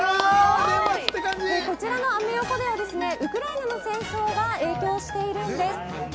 実はこちらのアメ横ではウクライナの戦争が影響しているんです。